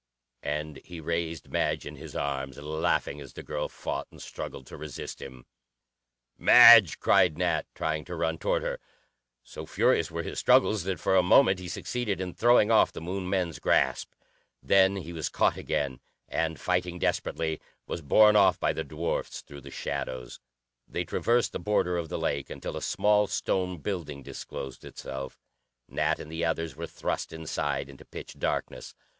And he raised Madge in his arms, laughing as the girl fought and struggled to resist him. "Madge!" cried Nat, trying to run toward her. So furious were his struggles that for a moment he succeeded in throwing off the Moon men's grasp. Then he was caught again, and, fighting desperately, was borne off by the dwarfs through the shadows. They traversed the border of the lake until a small stone building disclosed itself. Nat and the others were thrust inside into pitch darkness.